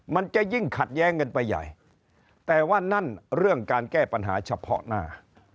มันจะยิ่งขัดแย้งกันไปใหญ่แต่ว่านั่นเรื่องการแก้ปัญหาเฉพาะหน้า